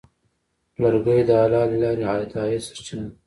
لرګی د حلالې لارې د عاید سرچینه ده.